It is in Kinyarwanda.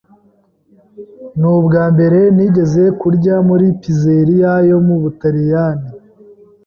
Nubwambere nigeze kurya muri pizzeria yo mubutaliyani.